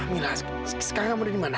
mila sekarang kamu udah dimana